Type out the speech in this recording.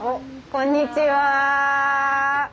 こんにちは。